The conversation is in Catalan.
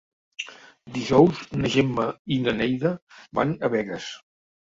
Dijous na Gemma i na Neida van a Begues.